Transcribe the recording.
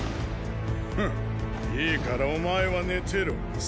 フッいいからお前は寝てろ成。